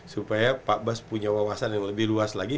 supaya pak bas punya wawasan yang lebih luas lagi